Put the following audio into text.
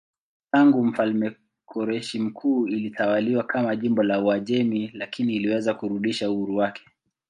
Tangu mfalme Koreshi Mkuu ilitawaliwa kama jimbo la Uajemi lakini iliweza kurudisha uhuru wake.